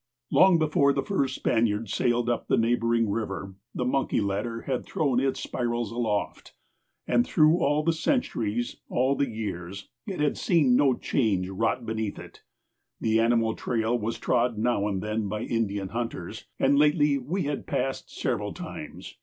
Long before the first Spaniard sailed up the neighboring river, the monkey ladder had thrown its spirals aloft, and through all the centuries, all the years, it had seen no change wrought beneath it. The animal trail was trod now and then by Indian hunters, and lately we had passed several times.